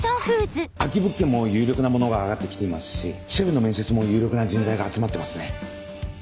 空き物件も有力なものが上がって来ていますしシェフの面接も有力な人材が集まってますね。